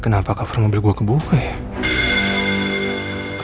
kenapa cover mobil gue kebuka ya